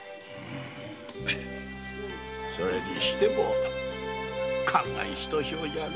それにしても感慨ひとしおじゃな。